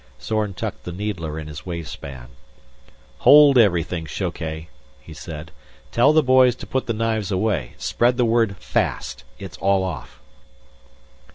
Zorn tucked the needler in his waistband. "Hold everything, Shoke," he said. "Tell the boys to put the knives away. Spread the word fast. It's all off."